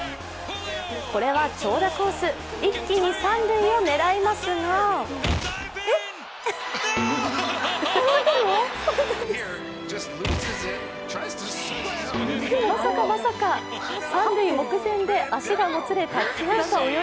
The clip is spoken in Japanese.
これは長打コース、一気に三塁を狙いますがまさかまさか、三塁目前で足がもつれタッチアウト。